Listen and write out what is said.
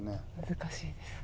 難しいです。